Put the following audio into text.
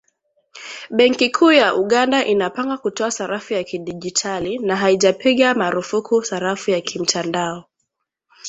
Benki kuu ya Uganda inapanga kutoa sarafu ya kidigitali, na haijapiga marufuku sarafu ya kimtandao